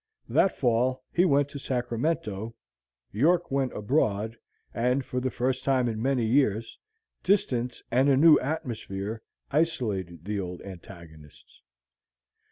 That fall he went to Sacramento, York went abroad; and for the first time in many years, distance and a new atmosphere isolated the old antagonists.